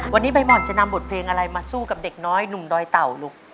วันนี้ใบห่อนจะนำบทเพลงอะไรมาสู้กับเด็กน้อยหนุ่มดอยเต่าลูก